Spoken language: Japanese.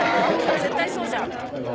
絶対そうじゃん。